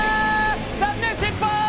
残念、失敗！